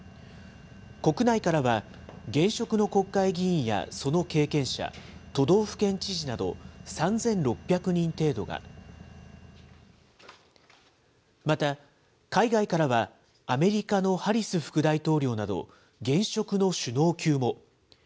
国内からは現職の国会議員やその経験者、都道府県知事など、３６００人程度が、また、海外からはアメリカのハリス副大統領など現職の首脳級も。